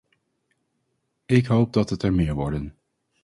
Ik hoop dat het er meer worden!